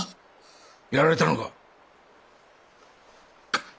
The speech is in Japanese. やられたのか？